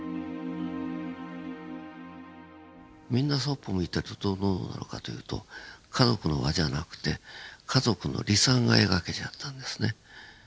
みんなそっぽ向いてるとどうなるかというと家族の輪じゃなくて家族の離散が描けちゃったんですね。